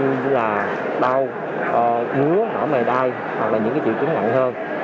như là đau ngứa nỏ mề đai hoặc là những tiểu chứng nặng hơn